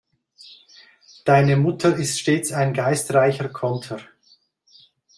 Deine Mutter ist stets ein geistreicher Konter.